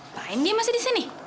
apaan dia masih di sini